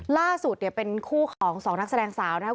ล่าสุดเนี่ยเป็นคู่ของสองนักแสดงสาวนะครับ